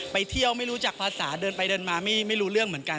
ไปเที่ยวไม่รู้จักภาษาเดินไปเดินมาไม่รู้เรื่องเหมือนกัน